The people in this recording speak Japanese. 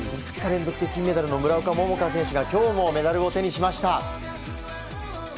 ２日連続、金メダルの村岡桃佳選手が今日もメダルを手にしました。